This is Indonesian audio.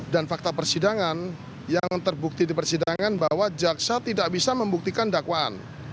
dan fakta persidangan yang terbukti di persidangan bahwa jaksa tidak bisa membuktikan dakwaan